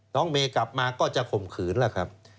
น้องเมย์กลับมาก็จะข่มขืนแล้วครับ